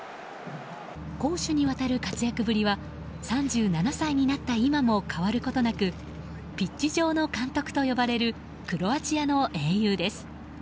攻守にわたる活躍ぶりは３７歳になった今でも変わることなくピッチ上の監督と呼ばれるクロアチアの英雄です。